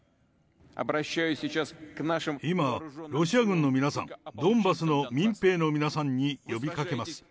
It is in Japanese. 今、ロシア軍の皆さん、ドンバスの民兵の皆さんに呼びかけます。